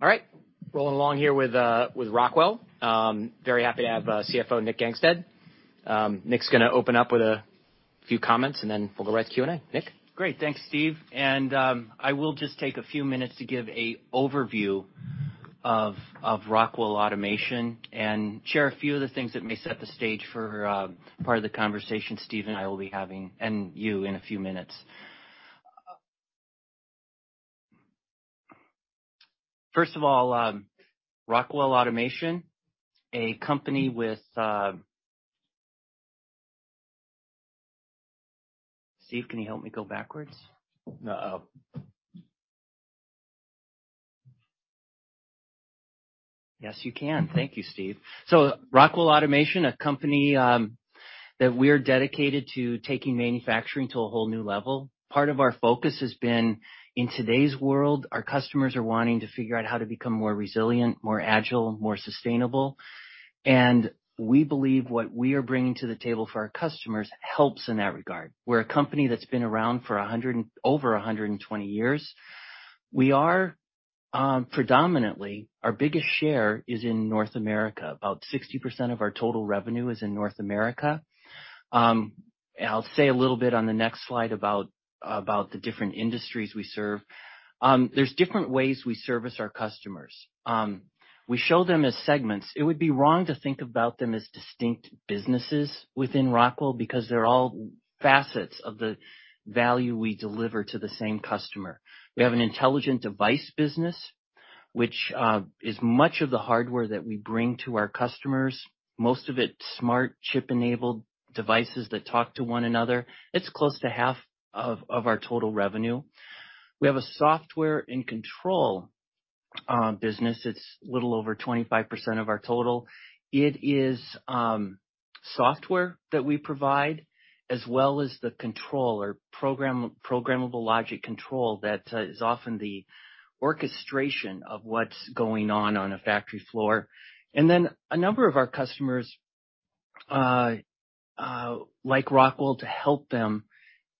All right, rolling along here with Rockwell. Very happy to have CFO Nick Gangestad. Nick's gonna open up with a few comments, and then we'll go right to Q&A. Nick. Great. Thanks, Steve. I will just take a few minutes to give a overview of Rockwell Automation and share a few of the things that may set the stage for part of the conversation Steve and I will be having, and you in a few minutes. First of all, Rockwell Automation, a company with... Steve, can you help me go backwards? No. Oh. Yes, you can. Thank you, Steve. Rockwell Automation, a company that we're dedicated to taking manufacturing to a whole new level. Part of our focus has been, in today's world, our customers are wanting to figure out how to become more resilient, more agile, more sustainable. We believe what we are bringing to the table for our customers helps in that regard. We're a company that's been around for over 120 years. We are predominantly, our biggest share is in North America. About 60% of our total revenue is in North America. I'll say a little bit on the next slide about the different industries we serve. There's different ways we service our customers. We show them as segments. It would be wrong to think about them as distinct businesses within Rockwell because they're all facets of the value we deliver to the same customer. We have an Intelligent Devices business, which is much of the hardware that we bring to our customers. Most of it smart, chip-enabled devices that talk to one another. It's close to half of our total revenue. We have a Software & Control business. It's a little over 25% of our total. It is software that we provide, as well as the controller Programmable Logic Control that is often the orchestration of what's going on a factory floor. A number of our customers, like Rockwell to help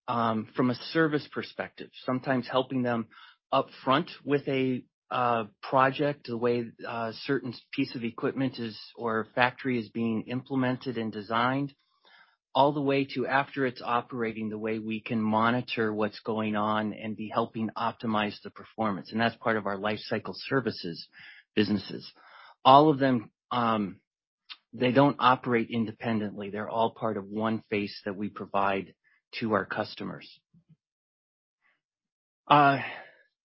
them from a service perspective, sometimes helping them up front with a project, the way a certain piece of equipment is or a factory is being implemented and designed, all the way to after it's operating, the way we can monitor what's going on and be helping optimize the performance. That's part of our LifecycleIQ Services businesses. All of them, they don't operate independently. They're all part of one face that we provide to our customers.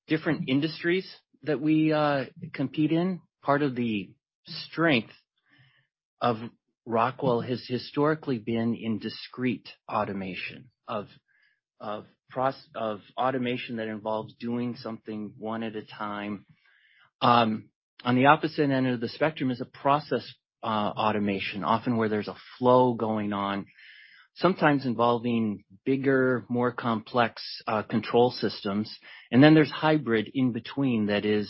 Different industries that we compete in. Part of the strength of Rockwell has historically been in discrete automation, of automation that involves doing something one at a time. On the opposite end of the spectrum is a process automation, often where there's a flow going on, sometimes involving bigger, more complex control systems. There's hybrid in between that is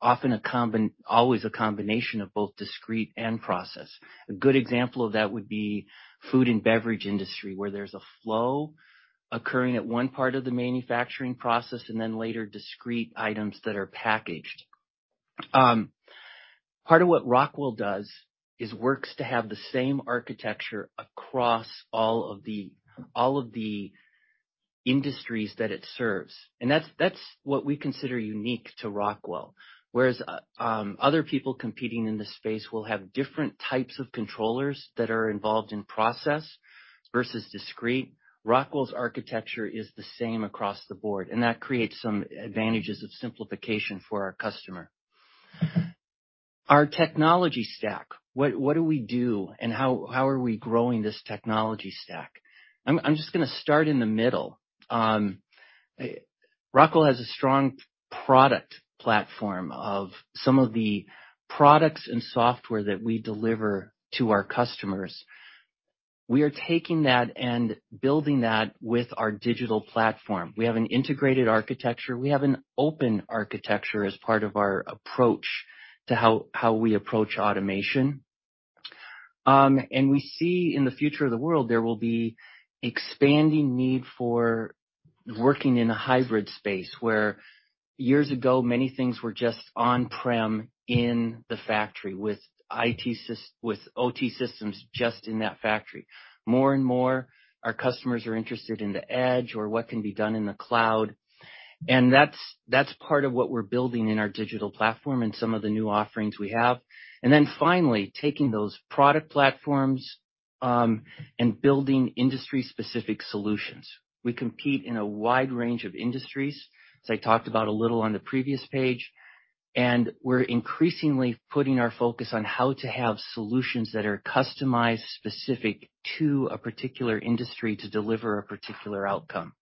always a combination of both discrete and process. A good example of that would be food and beverage industry, where there's a flow occurring at one part of the manufacturing process and then later discrete items that are packaged. Part of what Rockwell does is works to have the same architecture across all of the industries that it serves, and that's what we consider unique to Rockwell. Whereas other people competing in this space will have different types of controllers that are involved in process versus discrete. Rockwell's architecture is the same across the board, and that creates some advantages of simplification for our customer. Our technology stack, what do we do, and how are we growing this technology stack? I'm just gonna start in the middle. Rockwell has a strong product platform of some of the products and software that we deliver to our customers. We are taking that and building that with our digital platform. We have an integrated architecture, we have an open architecture as part of our approach to how we approach automation. And we see in the future of the world there will be expanding need for working in a hybrid space, where years ago, many things were just on-prem in the factory with OT systems just in that factory. More and more, our customers are interested in the edge or what can be done in the cloud, and that's part of what we're building in our digital platform and some of the new offerings we have. Then finally, taking those product platforms and building industry-specific solutions. We compete in a wide range of industries, as I talked about a little on the previous page, and we're increasingly putting our focus on how to have solutions that are customized, specific to a particular industry to deliver a particular outcome.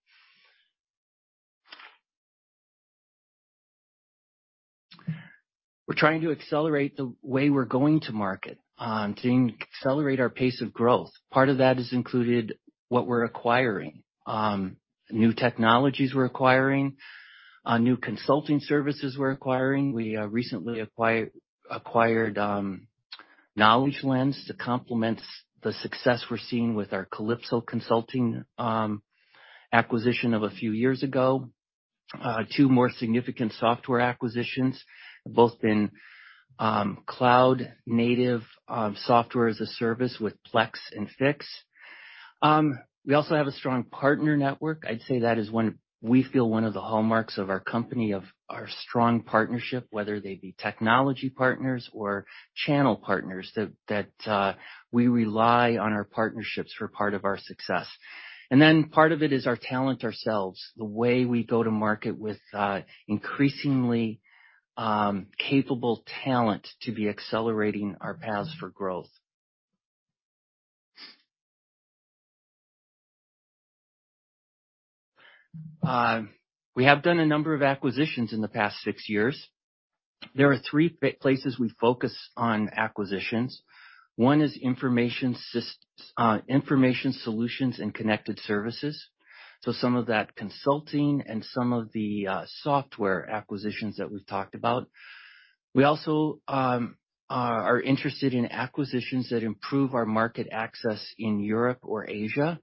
We're trying to accelerate the way we're going to market to accelerate our pace of growth. Part of that is included what we're acquiring, new technologies we're acquiring, new consulting services we're acquiring. We recently acquired Knowledge Lens to complement the success we're seeing with our Kalypso Consulting acquisition of a few years ago. Two more significant software acquisitions, both in cloud native, Software as a Service with Plex and Fiix. We also have a strong partner network. I'd say that is one we feel one of the hallmarks of our company, of our strong partnership, whether they be technology partners or channel partners, that we rely on our partnerships for part of our success. Part of it is our talent ourselves, the way we go to market with increasingly capable talent to be accelerating our paths for growth. We have done a number of acquisitions in the past six years. There are three places we focus on acquisitions. One is information solutions and connected services, so some of that consulting and some of the software acquisitions that we've talked about. We also are interested in acquisitions that improve our market access in Europe or Asia.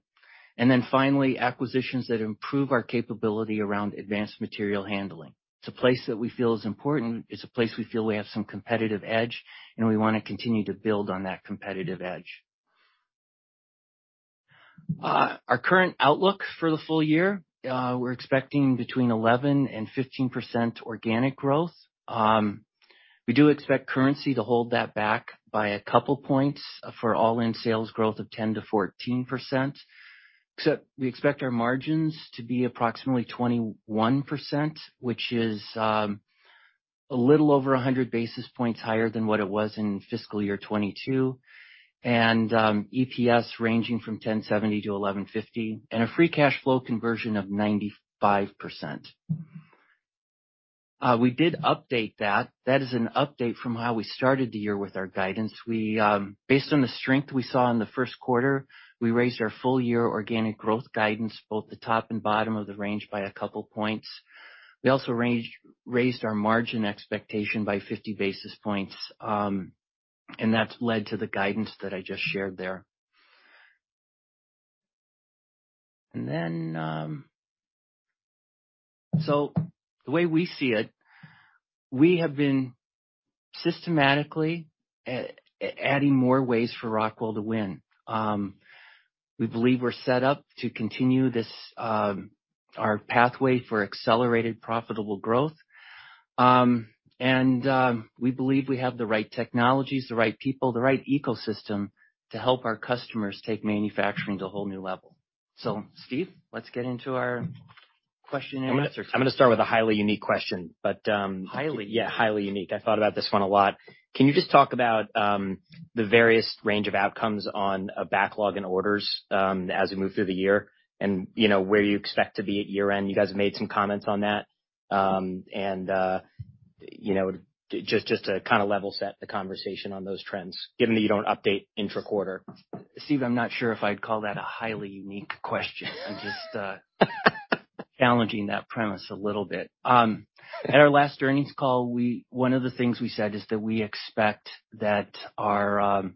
Finally, acquisitions that improve our capability around advanced material handling. It's a place that we feel is important. It's a place we feel we have some competitive edge, and we wanna continue to build on that competitive edge. Our current outlook for the full year, we're expecting between 11% and 15% organic growth. We do expect currency to hold that back by a couple points for all-in sales growth of 10%-14%. Except we expect our margins to be approximately 21%, which is a little over 100 basis points higher than what it was in fiscal year 2022. EPS ranging from $10.70-$11.50, and a free cash flow conversion of 95%. We did update that. That is an update from how we started the year with our guidance. We, based on the strength we saw in the first quarter, we raised our full year organic growth guidance, both the top and bottom of the range by a couple points. We also raised our margin expectation by 50 basis points, and that's led to the guidance that I just shared there. The way we see it, we have been systematically adding more ways for Rockwell to win. We believe we're set up to continue this, our pathway for accelerated profitable growth. We believe we have the right technologies, the right people, the right ecosystem to help our customers take manufacturing to a whole new level. Steve, let's get into our question and answer. I'm gonna start with a highly unique question, but. Highly? Yeah, highly unique. I thought about this one a lot. Can you just talk about the various range of outcomes on a backlog and orders as we move through the year, you know, where you expect to be at year-end? You guys have made some comments on that. You know, just to kinda level set the conversation on those trends, given that you don't update intra-quarter. Steve, I'm not sure if I'd call that a highly unique question. I'm just challenging that premise a little bit. At our last earnings call, one of the things we said is that we expect that our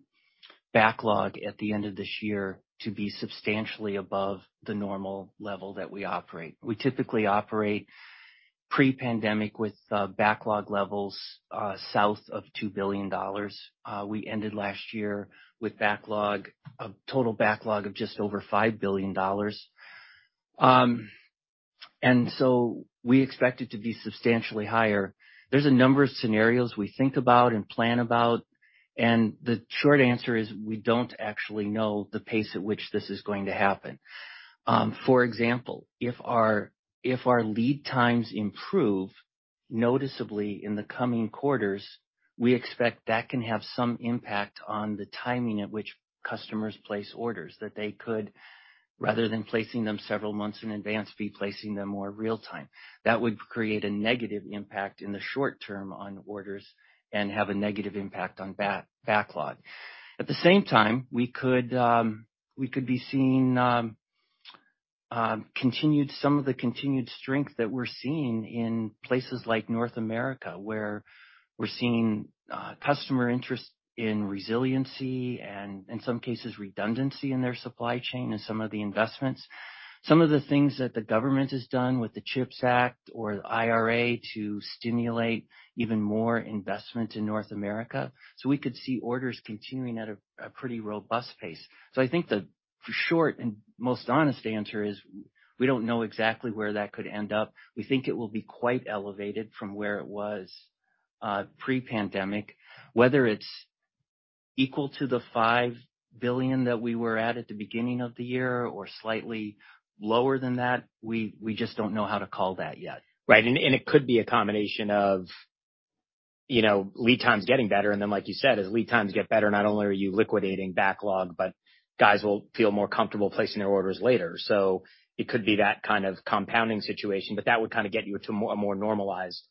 backlog at the end of this year to be substantially above the normal level that we operate. We typically operate pre-pandemic with backlog levels south of $2 billion. We ended last year with backlog, a total backlog of just over $5 billion. We expect it to be substantially higher. There's a number of scenarios we think about and plan about, the short answer is we don't actually know the pace at which this is going to happen. For example, if our lead times improve noticeably in the coming quarters, we expect that can have some impact on the timing at which customers place orders. That they could, rather than placing them several months in advance, be placing them more real time. That would create a negative impact in the short term on orders and have a negative impact on backlog. At the same time, we could be seeing continued strength that we're seeing in places like North America, where we're seeing customer interest in resiliency and in some cases redundancy in their supply chain and some of the investments. Some of the things that the government has done with the CHIPS Act or IRA to stimulate even more investment in North America. We could see orders continuing at a pretty robust pace. I think the short and most honest answer is we don't know exactly where that could end up. We think it will be quite elevated from where it was pre-pandemic. Whether it's equal to the $5 billion that we were at the beginning of the year or slightly lower than that, we just don't know how to call that yet. Right. It could be a combination of, you know, lead times getting better, and then like you said, as lead times get better, not only are you liquidating backlog, but guys will feel more comfortable placing their orders later. It could be that kind of compounding situation, that would kind of get you to a more normalized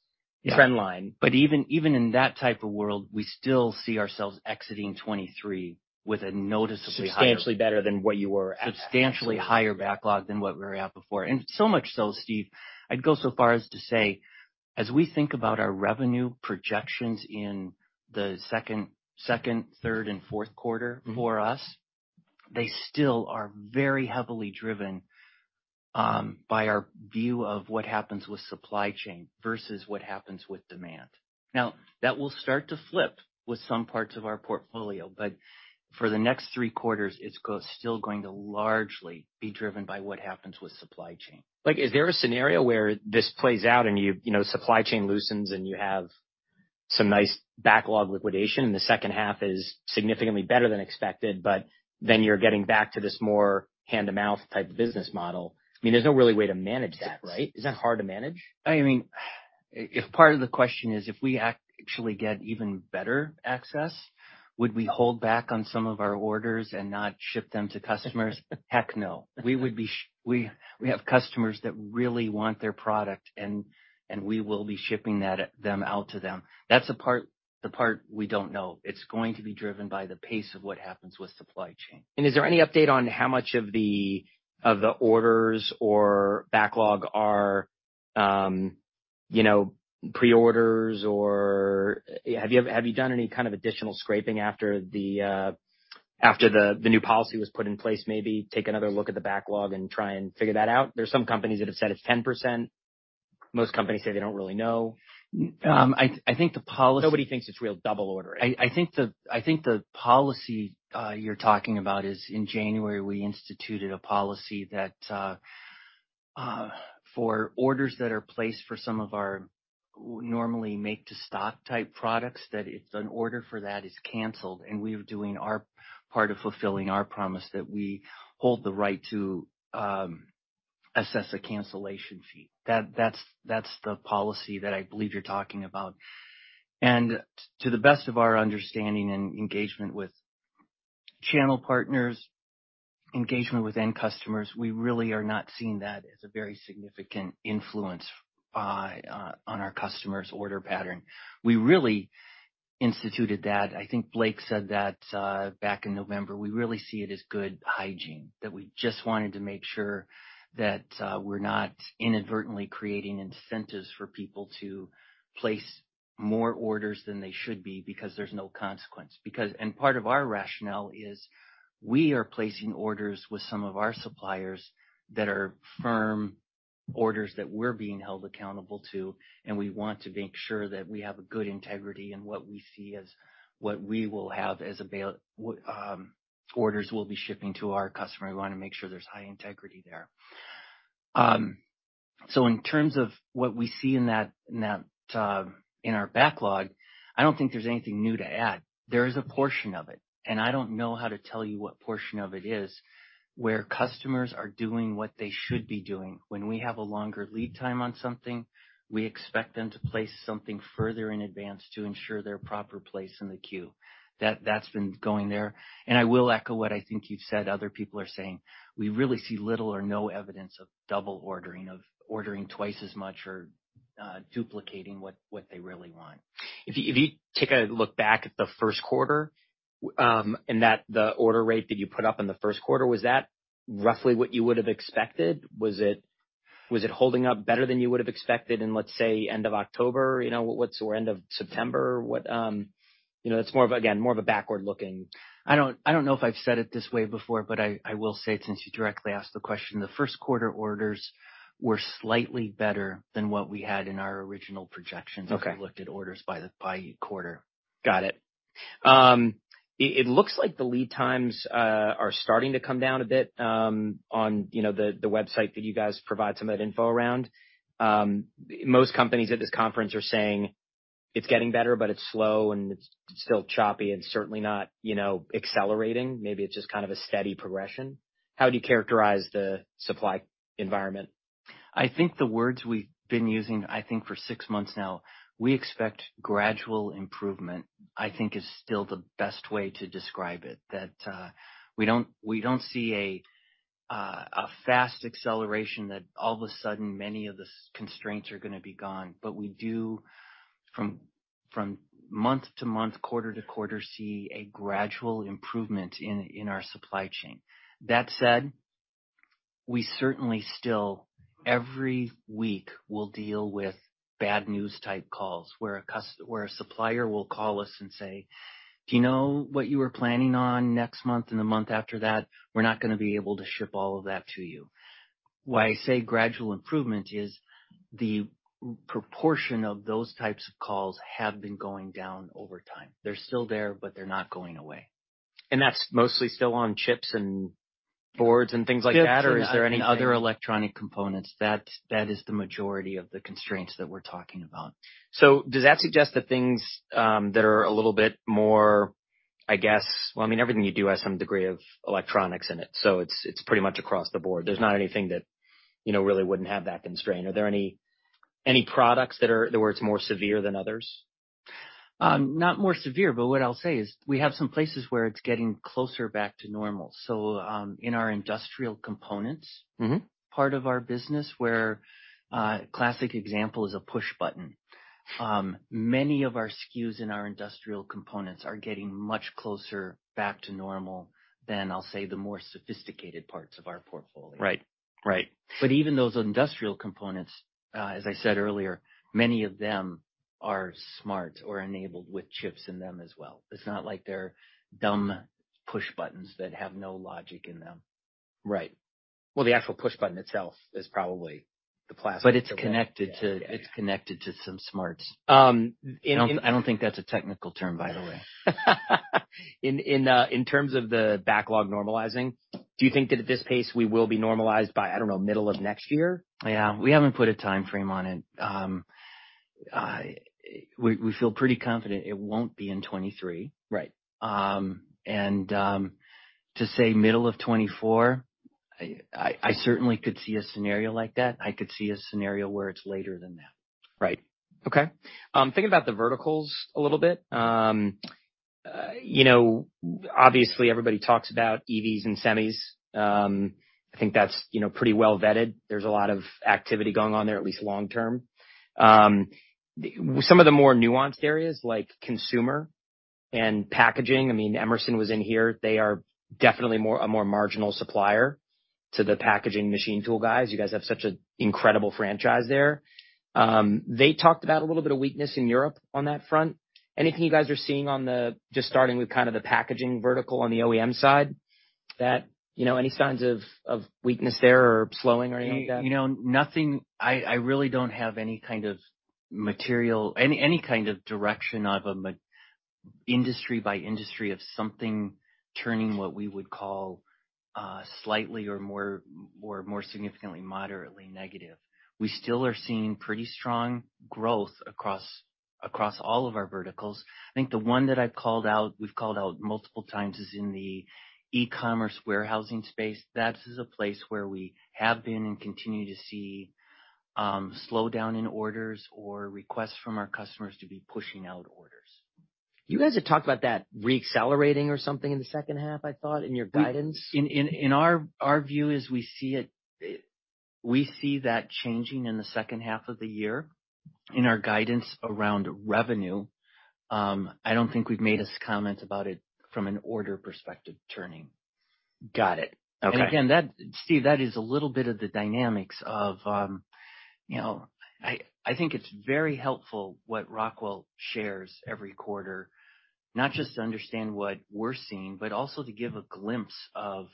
trend line. Even in that type of world, we still see ourselves exiting 2023 with a noticeably higher. Substantially better than what you were at. Substantially higher backlog than what we were at before. So much so, Steve, I'd go so far as to say, as we think about our revenue projections in the second, third and fourth quarter for us. They still are very heavily driven by our view of what happens with supply chain versus what happens with demand. Now, that will start to flip with some parts of our portfolio, but for the next three quarters, it's still going to largely be driven by what happens with supply chain. Is there a scenario where this plays out and you know, supply chain loosens and you have some nice backlog liquidation, the second half is significantly better than expected, you're getting back to this more hand-to-mouth type business model. There's no really way to manage that, right? Is that hard to manage? I mean, if part of the question is, if we actually get even better access, would we hold back on some of our orders and not ship them to customers? Heck, no. We would be we have customers that really want their product, and we will be shipping that them out to them. That's the part we don't know. It's going to be driven by the pace of what happens with supply chain. Is there any update on how much of the orders or backlog are, you know, pre-orders? Have you done any kind of additional scraping after the new policy was put in place, maybe take another look at the backlog and try and figure that out? There's some companies that have said it's 10%. Most companies say they don't really know. I think the policy Nobody thinks it's real double ordering. I think the policy you're talking about is in January, we instituted a policy that for orders that are placed for some of our normally make-to-stock type products, that it's an order for that is canceled, and we are doing our part of fulfilling our promise that we hold the right to assess a cancellation fee. That's the policy that I believe you're talking about. To the best of our understanding and engagement with channel partners, engagement with end customers, we really are not seeing that as a very significant influence by on our customers' order pattern. We really instituted that. I think Blake said that back in November. We really see it as good hygiene, that we just wanted to make sure that we're not inadvertently creating incentives for people to place more orders than they should be because there's no consequence. Part of our rationale is we are placing orders with some of our suppliers that are firm orders that we're being held accountable to, and we want to make sure that we have a good integrity in what we see as what we will have as orders we'll be shipping to our customer. We wanna make sure there's high integrity there. In terms of what we see in that, in that, in our backlog, I don't think there's anything new to add. There is a portion of it, and I don't know how to tell you what portion of it is, where customers are doing what they should be doing. When we have a longer lead time on something, we expect them to place something further in advance to ensure their proper place in the queue. That's been going there. I will echo what I think you've said other people are saying. We really see little or no evidence of double ordering, of ordering twice as much or duplicating what they really want. If you take a look back at the first quarter, and that the order rate that you put up in the first quarter, was that roughly what you would have expected? Was it holding up better than you would have expected in, let's say, end of October? You know, or end of September? What, you know, it's more of a, again, more of a backward-looking. I don't know if I've said it this way before, but I will say it since you directly asked the question. The first quarter orders were slightly better than what we had in our original projections. Okay. If you looked at orders by quarter. Got it. It looks like the lead times are starting to come down a bit, on, you know, the website that you guys provide some of that info around. Most companies at this conference are saying it's getting better, but it's slow, and it's still choppy and certainly not, you know, accelerating. Maybe it's just kind of a steady progression. How do you characterize the supply environment? I think the words we've been using, I think, for six months now, we expect gradual improvement, I think is still the best way to describe it. That, we don't see a fast acceleration that all of a sudden, many of the constraints are gonna be gone. We do from month to month, quarter to quarter, see a gradual improvement in our supply chain. That said, we certainly still, every week will deal with bad news type calls, where a supplier will call us and say, "Do you know what you were planning on next month and the month after that? We're not gonna be able to ship all of that to you." Why I say gradual improvement is the proportion of those types of calls have been going down over time. They're still there, but they're not going away. That's mostly still on chips and boards and things like that? Is there anything? Chips and other electronic components. That is the majority of the constraints that we're talking about. Does that suggest that things that are a little bit more, I guess. Well, I mean, everything you do has some degree of electronics in it, so it's pretty much across the board. There's not anything that, you know, really wouldn't have that constraint. Are there any products that are, where it's more severe than others? Not more severe, but what I'll say is we have some places where it's getting closer back to normal. In our industrial components- Mm-hmm. Part of our business where a classic example is a push button. Many of our SKUs in our industrial components are getting much closer back to normal than, I'll say, the more sophisticated parts of our portfolio. Right. Right. Even those industrial components, as I said earlier, many of them are smart or enabled with chips in them as well. It's not like they're dumb push buttons that have no logic in them. Right. Well, the actual push button itself is probably the plastic. It's connected to some smarts. I don't think that's a technical term, by the way. In terms of the backlog normalizing, do you think that at this pace we will be normalized by, I don't know, middle of next year? Yeah. We haven't put a time frame on it. We feel pretty confident it won't be in 2023. Right. To say middle of 2024, I certainly could see a scenario like that. I could see a scenario where it's later than that. Right. Okay. Thinking about the verticals a little bit, you know, obviously everybody talks about EVs and semis. I think that's, you know, pretty well vetted. There's a lot of activity going on there, at least long term. Some of the more nuanced areas like consumer and packaging, I mean, Emerson was in here. They are definitely a more marginal supplier to the packaging machine tool guys. You guys have such an incredible franchise there. They talked about a little bit of weakness in Europe on that front. Anything you guys are seeing on the just starting with kind of the packaging vertical on the OEM side that, you know, any signs of weakness there or slowing or any of that? You know, nothing. I really don't have any kind of material, any kind of direction of industry by industry of something turning what we would call slightly or more significantly moderately negative. We still are seeing pretty strong growth across all of our verticals. I think the one that I've called out, we've called out multiple times, is in the e-commerce warehousing space. That is a place where we have been and continue to see slowdown in orders or requests from our customers to be pushing out orders. You guys had talked about that re-accelerating or something in the second half, I thought, in your guidance. In our view is we see that changing in the second half of the year in our guidance around revenue. I don't think we've made a comment about it from an order perspective turning. Got it. Okay. Again, Steve, that is a little bit of the dynamics of, you know, I think it's very helpful what Rockwell shares every quarter, not just to understand what we're seeing, but also to give a glimpse of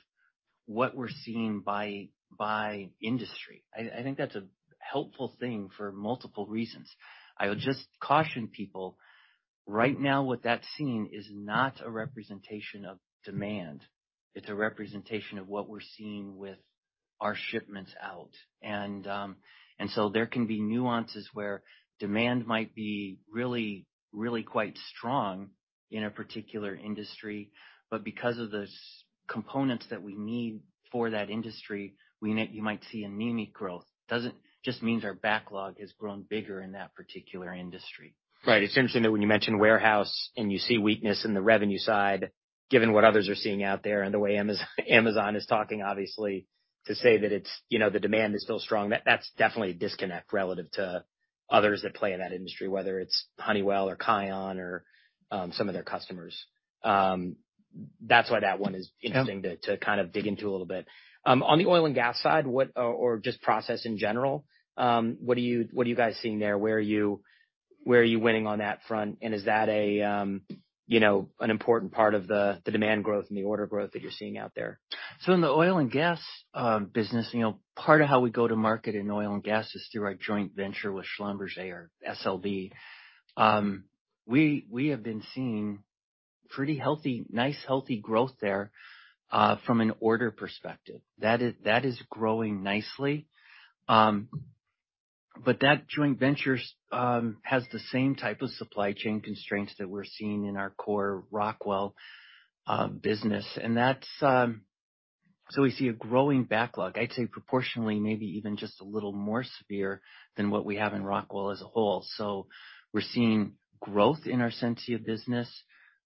what we're seeing by industry. I think that's a helpful thing for multiple reasons. I would just caution people, right now what that's seeing is not a representation of demand. It's a representation of what we're seeing with our shipments out. There can be nuances where demand might be really quite strong in a particular industry, but because of the components that we need for that industry, you might see anemic growth. Just means our backlog has grown bigger in that particular industry. Right. It's interesting that when you mention warehouse and you see weakness in the revenue side, given what others are seeing out there and the way Amazon is talking, obviously, to say that it's, you know, the demand is still strong, that's definitely a disconnect relative to others that play in that industry, whether it's Honeywell or KION or some of their customers. That's why that one is interesting to kind of dig into a little bit. On the oil and gas side, what or just process in general, what are you guys seeing there? Where are you winning on that front? Is that a, you know, an important part of the demand growth and the order growth that you're seeing out there? In the oil and gas business, you know, part of how we go to market in oil and gas is through our joint venture with Schlumberger or SLB. We have been seeing pretty healthy, nice healthy growth there from an order perspective. That is growing nicely. That joint venture has the same type of supply chain constraints that we're seeing in our core Rockwell business. That's. We see a growing backlog, I'd say proportionally maybe even just a little more severe than what we have in Rockwell as a whole. We're seeing growth in our Sensia business,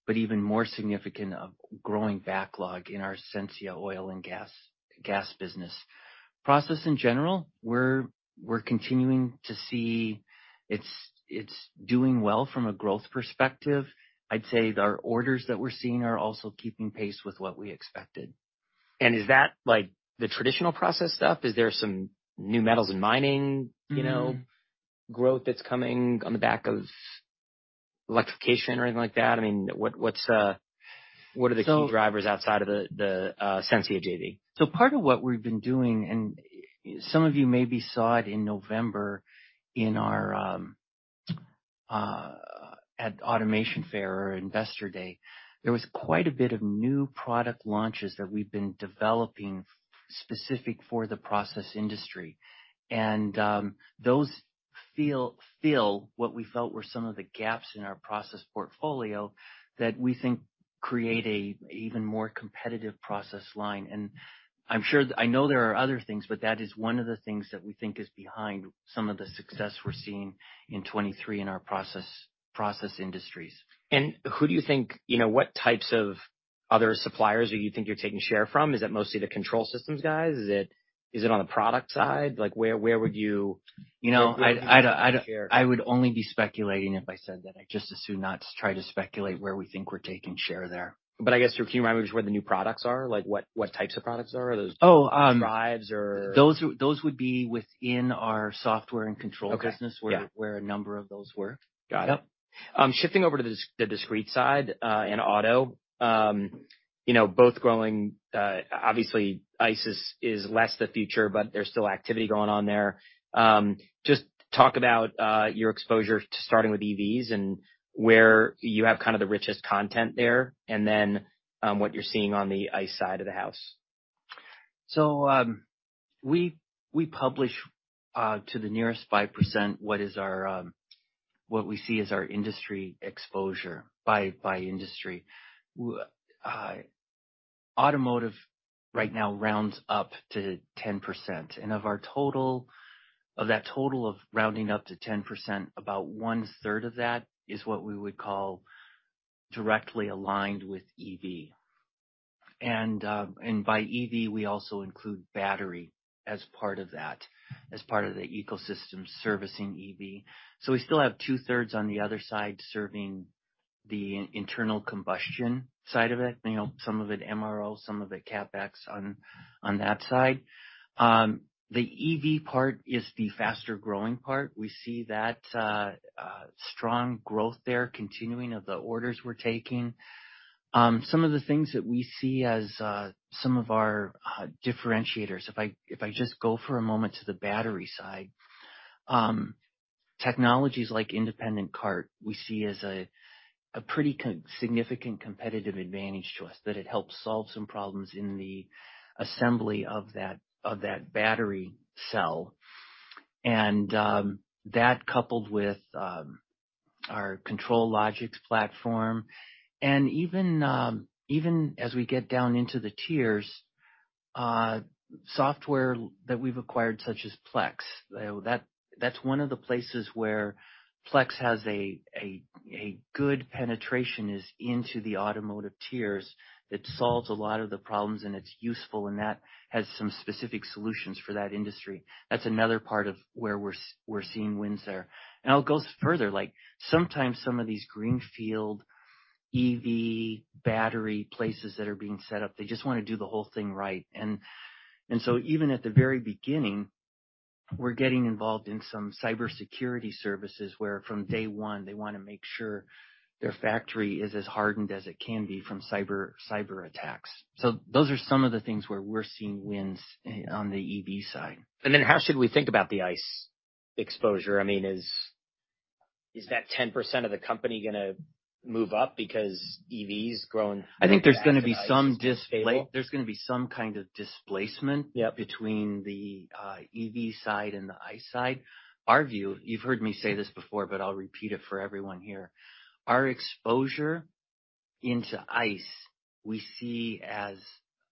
but even more significant of growing backlog in our Sensia oil and gas business. Process in general, we're continuing to see it's doing well from a growth perspective. I'd say the orders that we're seeing are also keeping pace with what we expected. Is that, like, the traditional process stuff? Is there some new metals and mining? Mm-hmm. You know, growth that's coming on the back of electrification or anything like that? I mean, what's, what are the key drivers outside of the Sensia JV? Part of what we've been doing, and some of you maybe saw it in November in our, at Automation Fair or Investor Day, there was quite a bit of new product launches that we've been developing specific for the process industry. Those fill what we felt were some of the gaps in our process portfolio that we think create a even more competitive process line. I know there are other things, but that is one of the things that we think is behind some of the success we're seeing in 2023 in our process industries. Who do you think, you know, what types of other suppliers do you think you're taking share from? Is it mostly the control systems guys? Is it on the product side? Like, where would you... You know, I would only be speculating if I said that. I'd just as soon not try to speculate where we think we're taking share there. I guess if you remind me just where the new products are, like what types of products are those? Oh. Drives or? Those would be within our Software & Control business- Okay. Yeah. where a number of those work. Got it. Shifting over to the discrete side, and auto, you know, both growing, obviously Ice is less the future, but there's still activity going on there. Just talk about your exposure to starting with EVs and where you have kind of the richest content there, and then what you're seeing on the Ice side of the house. We, we publish to the nearest 5% what is our, what we see as our industry exposure by industry. Automotive right now rounds up to 10%. Of that total of rounding up to 10%, about 1/3 of that is what we would call directly aligned with EV. By EV, we also include battery as part of that, as part of the ecosystem servicing EV. We still have 2/3 on the other side serving the internal combustion side of it, you know, some of it MRO, some of it CapEx on that side. The EV part is the faster-growing part. We see that strong growth there continuing of the orders we're taking. Some of the things that we see as some of our differentiators, if I just go for a moment to the battery side. Technologies like Independent Cart we see as a significant competitive advantage to us, that it helps solve some problems in the assembly of that battery cell. That coupled with our ControlLogix platform, and even as we get down into the tiers, software that we've acquired such as Plex, that's one of the places where Plex has a good penetration is into the automotive tiers that solves a lot of the problems and it's useful, and that has some specific solutions for that industry. That's another part of where we're seeing wins there. I'll go further, like, sometimes some of these greenfield EV battery places that are being set up, they just wanna do the whole thing right. Even at the very beginning, we're getting involved in some cybersecurity services where from day one, they wanna make sure their factory is as hardened as it can be from cyberattacks. Those are some of the things where we're seeing wins on the EV side. How should we think about the Ice exposure? I mean, is that 10% of the company gonna move up because EV's grown and Ice is stable? I think there's gonna be some kind of displacement- Yep. between the EV side and the Ice side. Our view, you've heard me say this before, but I'll repeat it for everyone here. Our exposure into Ice we see as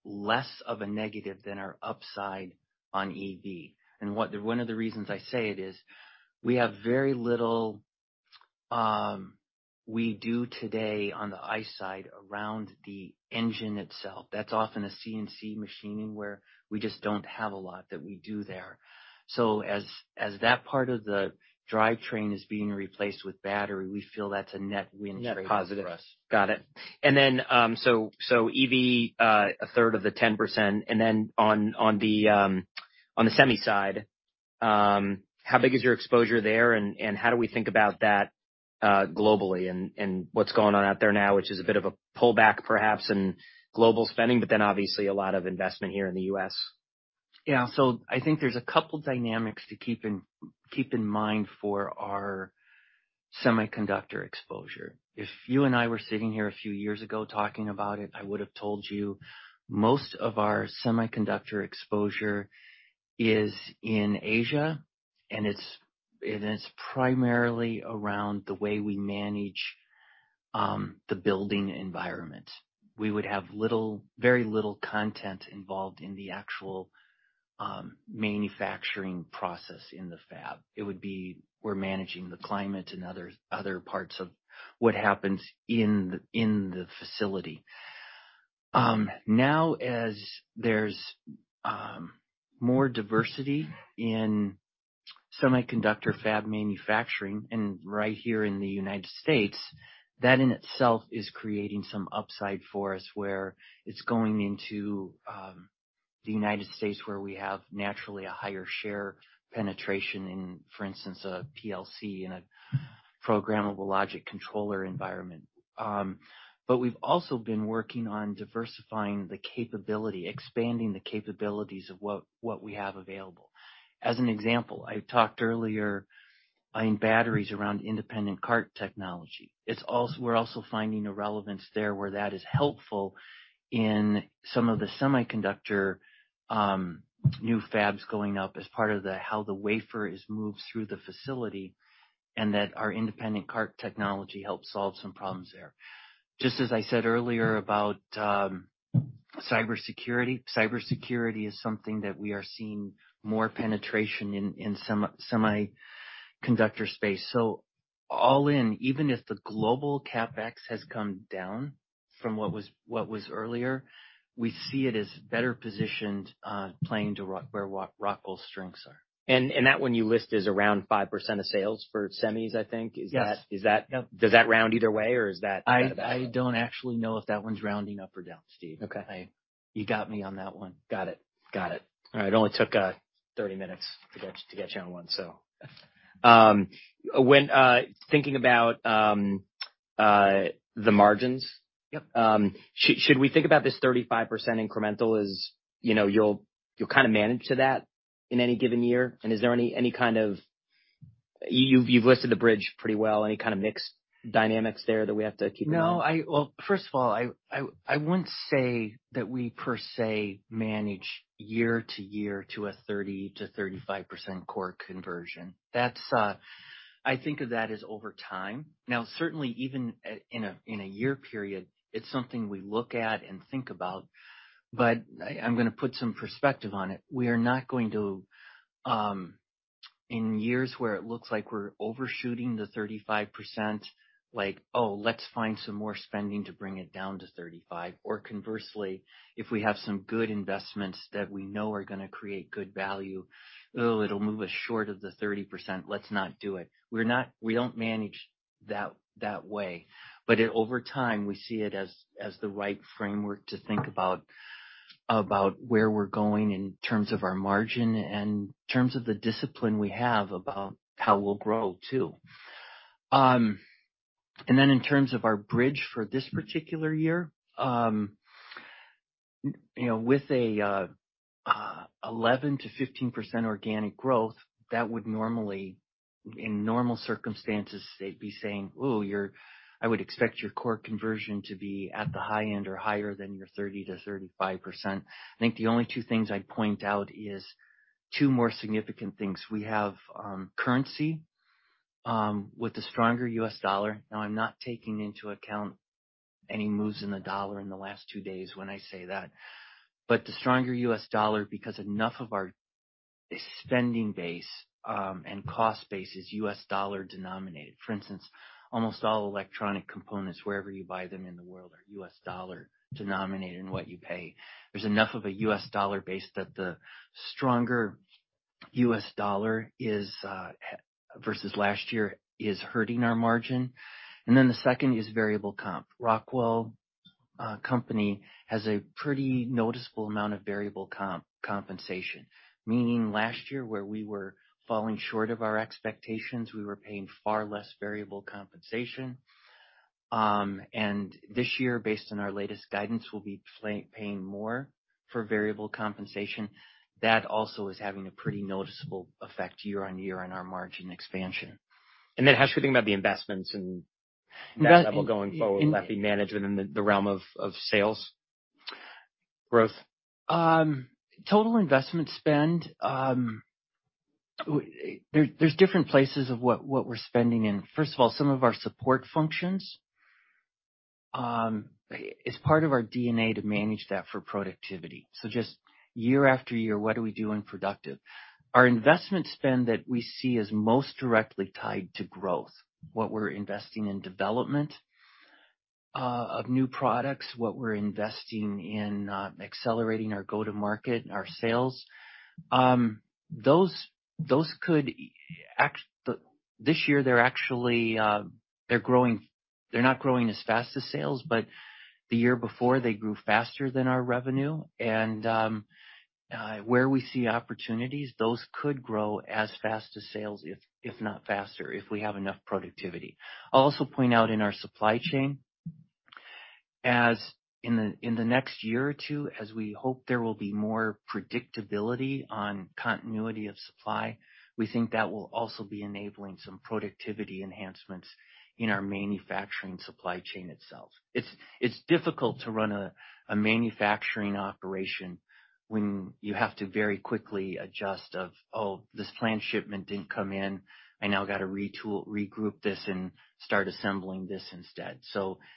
less of a negative than our upside on EV. One of the reasons I say it is we have very little we do today on the Ice side around the engine itself. That's often a CNC machining where we just don't have a lot that we do there. As that part of the drivetrain is being replaced with battery, we feel that's a net win for us. Net positive. Got it. EV, 1/3 of the 10%, then on the semi side, how big is your exposure there, and how do we think about that globally and what's going on out there now, which is a bit of a pullback perhaps in global spending, but then obviously a lot of investment here in the U.S. I think there's a couple of dynamics to keep in mind for our semiconductor exposure. If you and I were sitting here a few years ago talking about it, I would have told you most of our semiconductor exposure is in Asia, and it's primarily around the way we manage the building environment. We would have little, very little content involved in the actual manufacturing process in the fab. It would be we're managing the climate and other parts of what happens in the facility. Now, as there's more diversity in semiconductor fab manufacturing, and right here in the United States, that in itself is creating some upside for us where it's going into the United States, where we have naturally a higher share penetration in, for instance, a PLC in a programmable logic controller environment. We've also been working on diversifying the capability, expanding the capabilities of what we have available. As an example, I talked earlier in batteries around Independent Cart Technology. We're also finding a relevance there where that is helpful in some of the semiconductor, new fabs going up as part of how the wafer is moved through the facility, and that our Independent Cart Technology helps solve some problems there. Just as I said earlier about cybersecurity is something that we are seeing more penetration in semiconductor space. All in, even if the global CapEx has come down from what was earlier, we see it as better positioned, playing to where Rockwell's strengths are. That one you list is around 5% of sales for semis, I think. Yes. Is that? Yep. Does that round either way or is that? I don't actually know if that one's rounding up or down, Steve. Okay. You got me on that one. Got it. Got it. All right, only took 30 minutes to get you on one, so. When thinking about the margins. Yep. Should we think about this 35% incremental as, you know, you'll kind of manage to that in any given year? Is there any kind of You've listed the bridge pretty well. Any kind of mix dynamics there that we have to keep an eye on? Well, first of all, I wouldn't say that we per se manage year to year to a 30%-35% core conversion. That's, I think of that as over time. Now, certainly even at, in a, in a year period, it's something we look at and think about, but I'm gonna put some perspective on it. We are not going to, in years where it looks like we're overshooting the 35%, like, "Oh, let's find some more spending to bring it down to 35%." Conversely, "If we have some good investments that we know are gonna create good value, it'll move us short of the 30%, let's not do it." We don't manage that way. Over time, we see it as the right framework to think about where we're going in terms of our margin and in terms of the discipline we have about how we'll grow too. Then in terms of our bridge for this particular year, you know, with a 11%-15% organic growth, that would normally. In normal circumstances, they'd be saying, "Oh, I would expect your core conversion to be at the high end or higher than your 30%-35%." I think the only two things I'd point out is two more significant things. We have currency with the stronger U.S. dollar. I'm not taking into account any moves in the dollar in the last two days when I say that. The stronger U.S. dollar, because enough of our spending base and cost base is U.S. dollar denominated. For instance, almost all electronic components, wherever you buy them in the world, are U.S. dollar denominated in what you pay. There's enough of a U.S. dollar base that the stronger U.S. dollar versus last year is hurting our margin. The second is variable comp. Rockwell company has a pretty noticeable amount of variable compensation. Meaning last year where we were falling short of our expectations, we were paying far less variable compensation. This year, based on our latest guidance, we'll be paying more for variable compensation. That also is having a pretty noticeable effect year-on-year on our margin expansion. How should we think about the investments and that level going forward? Will that be management in the realm of sales growth? Total investment spend, there's different places of what we're spending in. First of all, some of our support functions, it's part of our DNA to manage that for productivity. Just year after year, what do we do in productive? Our investment spend that we see as most directly tied to growth, what we're investing in development of new products, what we're investing in accelerating our go-to-market, our sales. This year, they're actually growing, they're not growing as fast as sales, but the year before, they grew faster than our revenue. Where we see opportunities, those could grow as fast as sales, if not faster, if we have enough productivity. I'll also point out in our supply chain, as in the next year or two, as we hope there will be more predictability on continuity of supply, we think that will also be enabling some productivity enhancements in our manufacturing supply chain itself. It's difficult to run a manufacturing operation when you have to very quickly adjust of, "Oh, this planned shipment didn't come in. I now got to regroup this and start assembling this instead."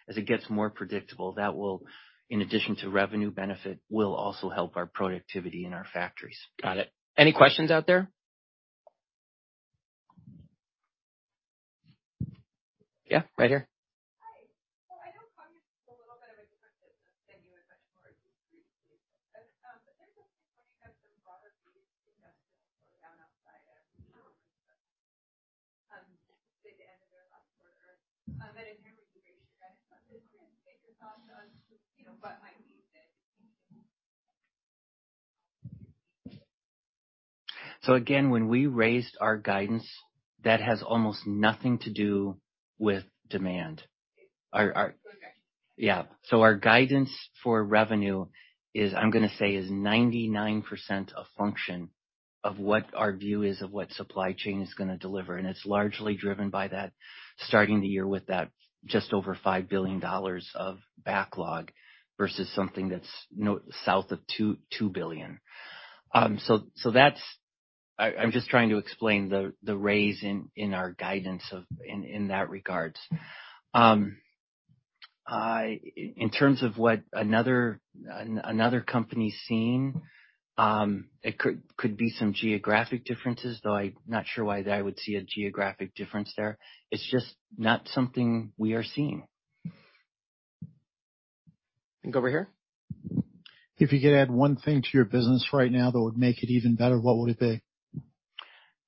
As it gets more predictable, that will, in addition to revenue benefit, will also help our productivity in our factories. Got it. Any questions out there? Yeah, right here. Hi. I know Congress is a little bit of a but there's a point where you have some broader-based investments going down outside of the end of the last quarter. In terms of you raised your guidance on this, can you take your thoughts on, you know, what might be the distinction? Again, when we raised our guidance, that has almost nothing to do with demand. Okay. Yeah. Our guidance for revenue is, I'm gonna say, is 99% a function of what our view is of what supply chain is gonna deliver. It's largely driven by that, starting the year with that just over $5 billion of backlog versus something that's south of $2 billion. That's. I'm just trying to explain the raise in our guidance in that regards. In terms of what another company's seeing, it could be some geographic differences, though I'm not sure why that would see a geographic difference there. It's just not something we are seeing. Think over here. If you could add one thing to your business right now that would make it even better, what would it be?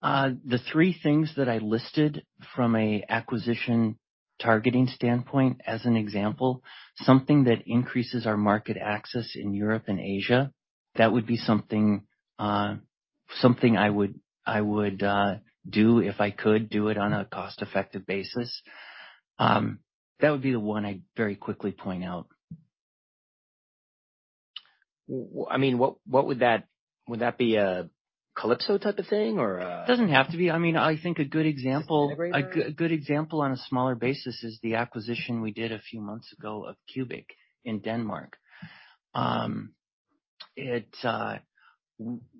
The three things that I listed from an acquisition targeting standpoint, as an example, something that increases our market access in Europe and Asia, that would be something I would do if I could do it on a cost-effective basis. That would be the one I'd very quickly point out. I mean, Would that be a Kalypso type of thing? Doesn't have to be. I mean, I think a good example- Integrator? A good example on a smaller basis is the acquisition we did a few months ago of CUBIC in Denmark. It.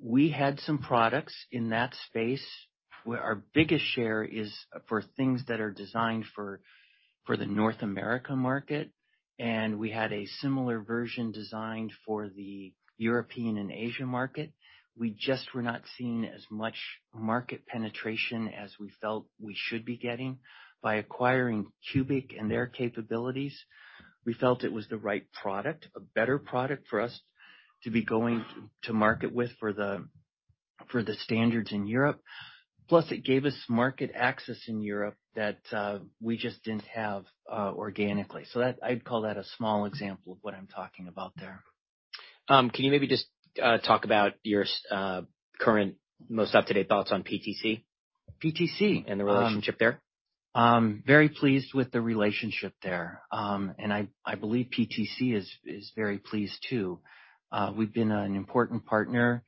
We had some products in that space where our biggest share is for things that are designed for the North America market, and we had a similar version designed for the European and Asian market. We just were not seeing as much market penetration as we felt we should be getting. By acquiring CUBIC and their capabilities, we felt it was the right product, a better product for us to be going to market with for the, for the standards in Europe. Plus, it gave us market access in Europe that we just didn't have organically. I'd call that a small example of what I'm talking about there. Can you maybe just talk about your current most up-to-date thoughts on PTC? PTC. The relationship there. Very pleased with the relationship there. I believe PTC is very pleased, too. We've been an important partner,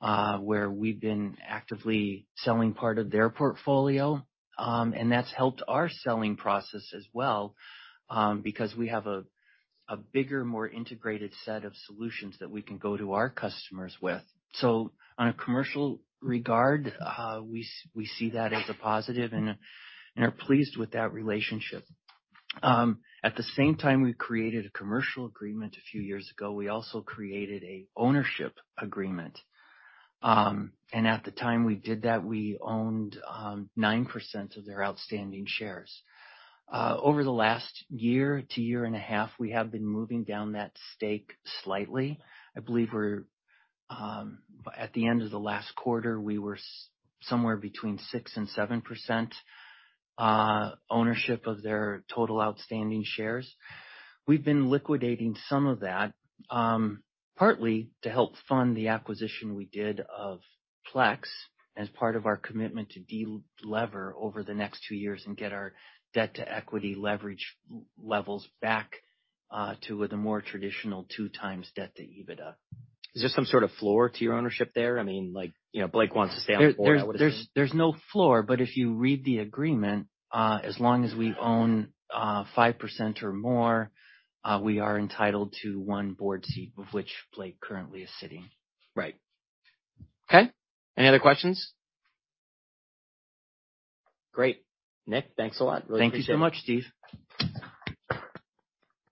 where we've been actively selling part of their portfolio, and that's helped our selling process as well, because we have a bigger, more integrated set of solutions that we can go to our customers with. On a commercial regard, we see that as a positive and are pleased with that relationship. At the same time we created a commercial agreement a few years ago, we also created a ownership agreement. At the time we did that, we owned 9% of their outstanding shares. Over the last year to year and a half, we have been moving down that stake slightly. I believe we're... At the end of the last quarter, we were somewhere between 6% and 7% ownership of their total outstanding shares. We've been liquidating some of that, partly to help fund the acquisition we did of Plex as part of our commitment to delever over the next two years and get our debt-to-equity leverage levels back to the more traditional 2x debt to EBITDA. Is there some sort of floor to your ownership there? I mean, like, you know, Blake wants to stay on the board, I would assume. There's no floor. If you read the agreement, as long as we own, 5% or more, we are entitled to one board seat of which Blake currently is sitting. Right. Okay. Any other questions? Great. Nick, thanks a lot. Really appreciate it. Thank you so much, Steve.